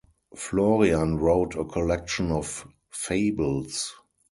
Florian wrote a collection of fables.